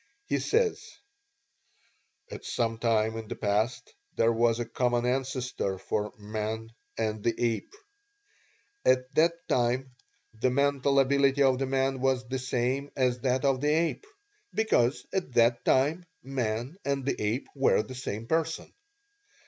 He says: "At some time in the past there was a common ancestor for man and the ape. At that time the mental ability of the man was the same as that of the ape, because at that time man and the ape were the same person.